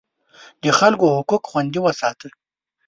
د خلکو حقوق خوندي وساته.